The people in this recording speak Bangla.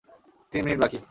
তিন মিনিট বাকি!